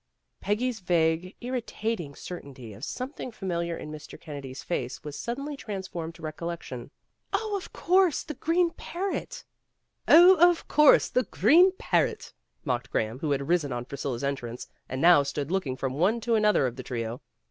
Peggy's vague, irritating certainty of some thing familiar in Mr. Kennedy's face was sud denly transformed to recollection. "Oh, of course. The Green Parrot." *' Oh, of course ! The Green Parrot !'' mocked Graham, who had risen on Priscilla's entrance, and now stood looking from one to another of the trio.